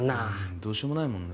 どうしようもないもんね。